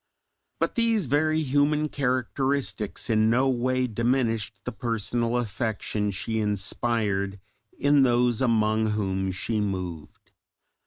But these very human characteristics in no way diminished the personal affection she inspired in those among whom she moved.